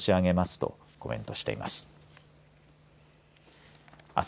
とコメントしています。